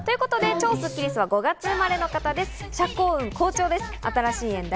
超スッキりすは５月生まれの方です。